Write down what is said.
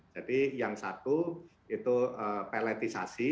jadi yang satu itu pelletisasi